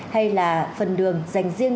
hay là phần đường dành riêng